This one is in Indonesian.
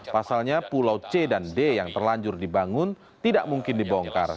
pasalnya pulau c dan d yang terlanjur dibangun tidak mungkin dibongkar